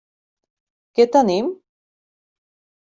Què tenim?